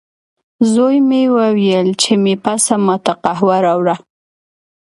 زوی مې وویل، چې مې پسه ما ته قهوه راوړه.